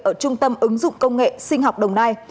ở trung tâm ứng dụng công nghệ sinh học đồng nai